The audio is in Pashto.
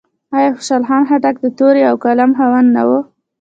آیا خوشحال خان خټک د تورې او قلم خاوند نه و؟